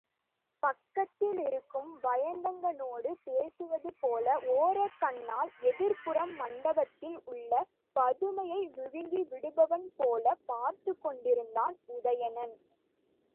பக்கத்திலிருக்கும் வயந்தகனோடு பேசுவதுபோல ஒரக் கண்ணால் எதிர்ப்புறம் மண்டபத்தில் உள்ள பதுமையை விழுங்கி விடுபவன்போலப் பார்த்துக்கொண்டிருந்தான் உதயணன்.